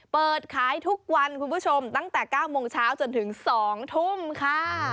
เปิดขายทุกวันคุณผู้ชมตั้งแต่๙โมงเช้าจนถึง๒ทุ่มค่ะ